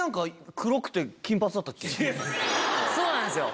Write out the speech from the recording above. そうなんですよ